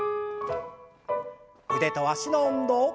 腕と脚の運動。